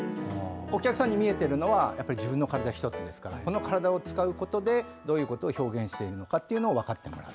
お客さんに見えているのは自分の体１つですからこの体を使うことでどういうことを表現しているのかというのを分かってもらう。